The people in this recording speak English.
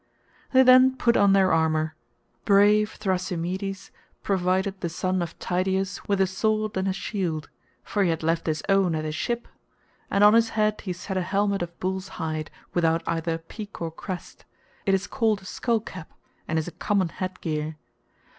They then put on their armour. Brave Thrasymedes provided the son of Tydeus with a sword and a shield (for he had left his own at his ship) and on his head he set a helmet of bull's hide without either peak or crest; it is called a skull cap and is a common headgear.